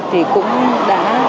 thì cũng đã